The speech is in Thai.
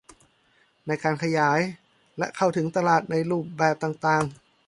ในการขยายและเข้าถึงตลาดในรูปแบบต่างต่าง